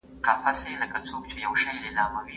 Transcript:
بې ځایه سوي د مدني اعتراضونو قانوني اجازه نه لري.